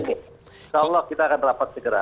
insya allah kita akan rapat segera